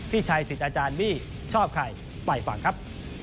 พี่ชัยสิทธิ์อาจารย์บี้ชอบใครไปฟังครับ